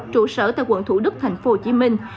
trụ sở tại quận thủ đức thành phố hồ chí minh